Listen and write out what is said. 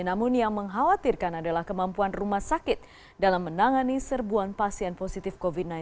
namun yang mengkhawatirkan adalah kemampuan rumah sakit dalam menangani serbuan pasien positif covid sembilan belas